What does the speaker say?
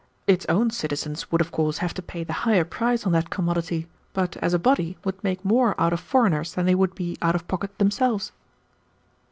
Its own citizens would of course have to pay the higher price on that commodity, but as a body would make more out of foreigners than they would be out of pocket themselves."